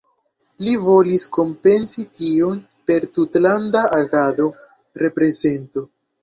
Li volis kompensi tion per tutlanda agado, reprezento.